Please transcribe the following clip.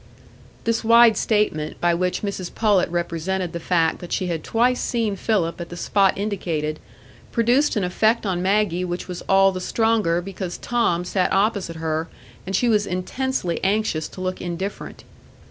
This wide statement, by which Mrs Pullet represented the fact that she had twice seen Philip at the spot indicated, produced an effect on Maggie which was all the stronger because Tom sate opposite her, and she was intensely anxious to look indifferent.